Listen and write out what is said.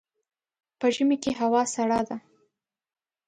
په ژمي کي هوا سړه وي.